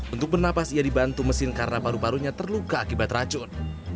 untuk bernapas ia dibantu mesin karena paru parunya terluka akibat racun